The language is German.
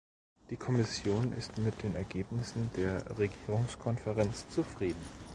Die Kommission ist mit den Ergebnissen der Regierungskonferenz zufrieden.